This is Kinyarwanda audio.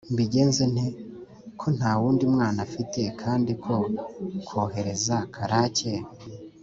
mbigenze nte, ko nta wundi mwana mfite; kandi ko kohereza Karake